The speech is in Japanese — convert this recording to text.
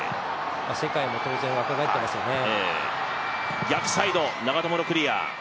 世界も当然、若返ってますよね。